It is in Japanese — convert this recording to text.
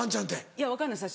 いや分かんないです